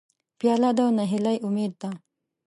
پیاله د نهیلۍ امید ده.